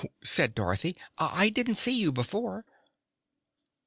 said Dorothy; "I didn't see you before."